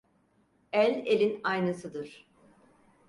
El elin aynasıdır.